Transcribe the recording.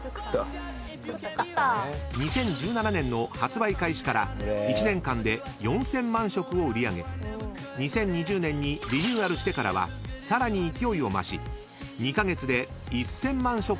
［２０１７年の発売開始から１年間で４，０００万食を売り上げ２０２０年にリニューアルしてからはさらに勢いを増し］